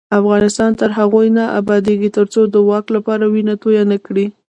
افغانستان تر هغو نه ابادیږي، ترڅو د واک لپاره وینه تویه نشي.